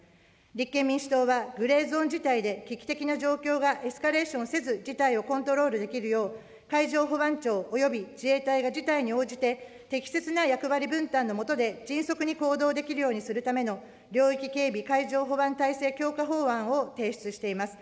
立憲民主党は、グレーゾーン事態で、危機的な状況がエスカレーションせず、事態をコントロールできるよう、海上保安庁および自衛隊が事態に応じて、適切な役割分担の下で、迅速に行動できるようにするための領域警備・海上保安体制強化法案を提出しています。